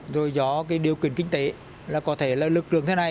rồi do cái điều kiện kinh tế là có thể là lực lượng thế này